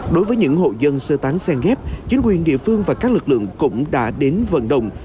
đối với những hộ dân sơ tán xen ghép chính quyền địa phương và các lực lượng cũng đã đến vận động